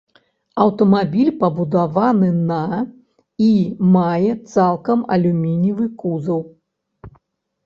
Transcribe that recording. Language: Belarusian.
Аўтамабіль пабудаваны на і мае цалкам алюмініевы кузаў.